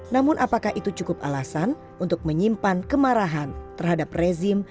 namun apakah itu cukup alasan untuk menyimpan kemarahan terhadap rezim